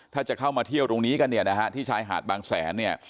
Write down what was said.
ถ้าจะเข้ามาเที่ยวตรงนี้กันเนี่ยนะฮะที่ชายหาดบางแสนเนี่ย